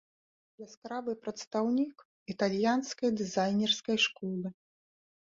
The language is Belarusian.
Яскравы прадстаўнік італьянскай дызайнерскай школы.